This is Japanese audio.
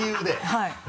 はい。